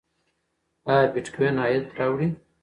ایا بېټکوین عاید راوړي؟